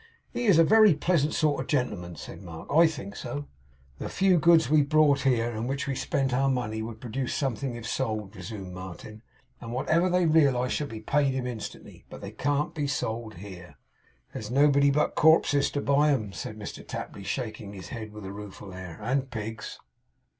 'He's a very pleasant sort of a gentleman,' said Mark. 'I think so.' 'The few goods we brought here, and in which we spent our money, would produce something if sold,' resumed Martin; 'and whatever they realise shall be paid him instantly. But they can't be sold here.' 'There's nobody but corpses to buy 'em,' said Mr Tapley, shaking his head with a rueful air, 'and pigs.